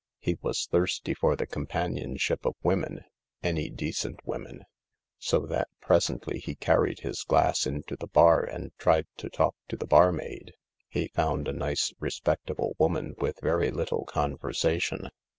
He was thirsty for the companionship of women — any decent women. So that presently he carried his glass into the bar and tried to talk to the barmaid ; he found a nice, respectable woman with very little conversa tion.